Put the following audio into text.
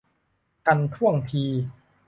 ทันท่วงที